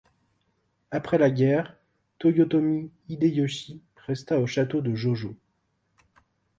Après la guerre, Toyotomi Hideyoshi resta au château de Jōjō.